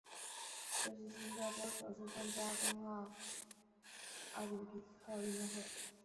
这是新加坡首次参加冬季奥林匹克运动会。